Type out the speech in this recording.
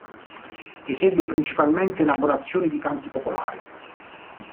Esegue principalmente elaborazioni di canti popolari.